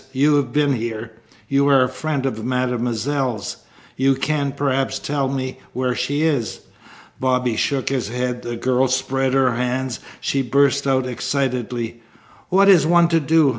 You have been here. You are a friend of mademoiselle's. You can, perhaps, tell me where she is." Bobby shook his head. The girl spread her hands. She burst out excitedly: "What is one to do?